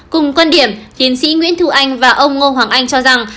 cùng quan điểm tiến sĩ nguyễn thu anh và ông ngô hoàng anh cho rằng